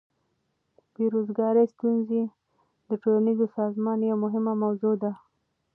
د بیروزګاری ستونزه د ټولنیز سازمان یوه مهمه موضوع ده.